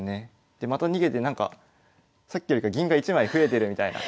でまた逃げてなんかさっきよりか銀が１枚増えてるみたいな感じで。